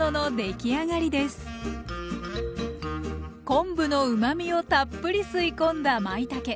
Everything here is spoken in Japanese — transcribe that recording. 昆布のうまみをたっぷり吸い込んだまいたけ。